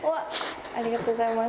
ありがとうございます。